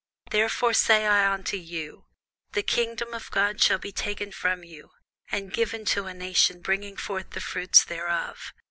Therefore say I unto you, The kingdom of God shall be taken from you, and given to a nation bringing forth the fruits thereof.